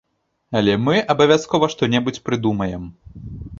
Але мы абавязкова што-небудзь прыдумаем.